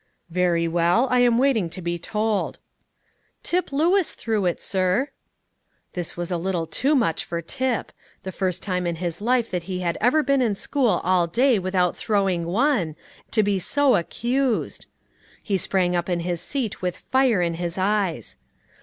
"Very well; I am waiting to be told." "Tip Lewis threw it, sir." This was a little too much for Tip. The first time in his life that he had ever been in school all day without throwing one, to be so accused! He sprang up in his seat with fire in his eyes.